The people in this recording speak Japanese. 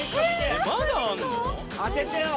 えっまだあんの？